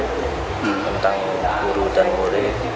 tentang guru dan murid